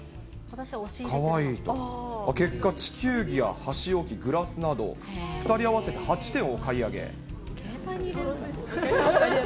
結果、地球儀や箸置き、グラスなど、２人合わせて８点をお買い上携帯に入れるんだ。